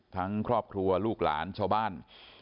ทั้งครอบครัวลูกหลานเช้าบ้าน